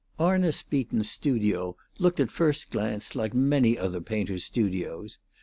Arnus Beaton's studio looked at first glance like many other painters' studios.